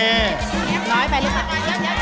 น้อยไปหรือเปล่า